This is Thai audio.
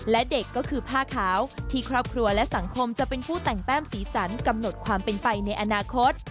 และเด็กก็คือผ้าขาวที่ครอบครัวและสังคมจะเป็นผู้แต่งแต้มสีสันกำหนดความเป็นไปในอนาคต